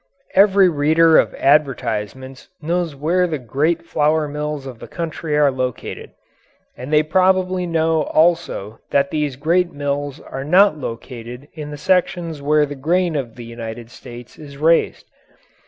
Every reader of advertisements knows where the great flour mills of the country are located. And they probably know also that these great mills are not located in the sections where the grain of the United States is raised.